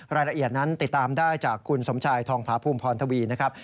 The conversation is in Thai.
รายละเอียดนั้นติดตามได้จากคุณสมชายทองผาภูมิพรทวีนะครับ